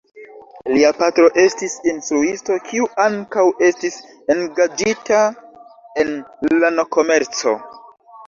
Lia patro estis instruisto, kiu ankaŭ estis engaĝita en lano-komerco.